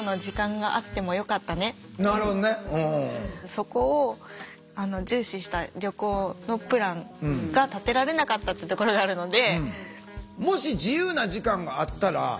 そこを重視した旅行のプランが立てられなかったってところがあるので。